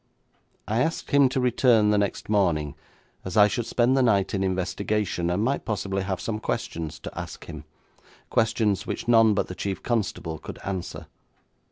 I asked him to return the next morning, as I should spend the night in investigation, and might possibly have some questions to ask him, questions which none but the chief constable could answer.